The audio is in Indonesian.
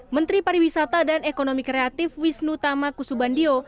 menteri pariwisata dan ekonomi kreatif wisnu tama kusubandio